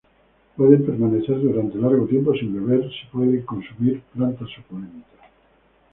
Pueden permanecer durante largo tiempo sin beber si pueden consumir plantas suculentas.